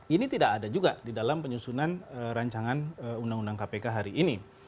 ini tidak ada juga di dalam penyusunan rancangan undang undang kpk hari ini